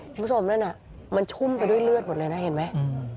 นั่นน่ะมันชุ่มไปด้วยเลือดหมดเลยนะเห็นไหม